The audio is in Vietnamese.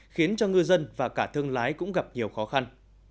khiến cho ngư dân và cả thương lái cũng gặp nhiều khó khăn